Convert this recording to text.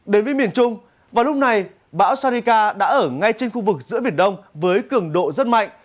đến với miền trung vào lúc này bão sarika đã ở ngay trên khu vực giữa biển đông với cường độ rất mạnh